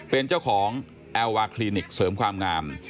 เป็นเจ้าของแอลวาคลินิกเสริมความงาม